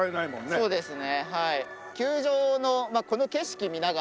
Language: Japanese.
そうですね。